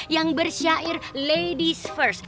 yang bersyair ladies first